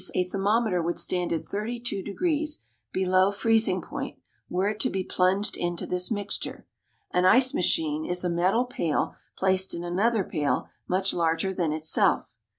a thermometer would stand at 32 degrees below freezing point were it to be plunged into this mixture. An ice machine is a metal pail placed in another pail much larger than itself.